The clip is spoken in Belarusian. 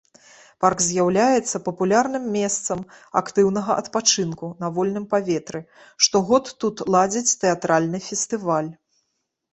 Парк з'яўляецца папулярным месцам актыўнага адпачынку на вольным паветры, штогод тут ладзяць тэатральны фестываль.